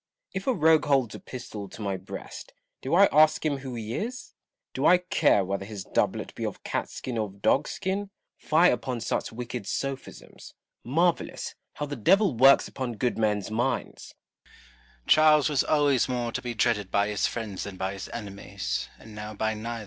If a rogue holds a pistol to my breast, do I ask him who he is ? Do I care whether his doublet be of cat skin or of dog skin ? Fie upon such wicked sophisms ! Marvellous, how the devil works upon good men's minds ! CROMWELL AND WALTER NOBLE. 153 Nolle. Charles was always more to be dreaded by his friends than by his enemies, and now by neither.